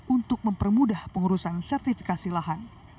untuk mempermudah pengurusan sertifikasi lahan